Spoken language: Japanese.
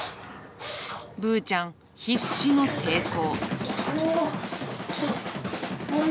ぶーちゃん、必死の抵抗。